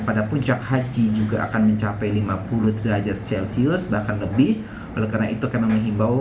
pada puncak haji juga akan mencapai lima puluh derajat celcius bahkan lebih oleh karena itu kami menghimbau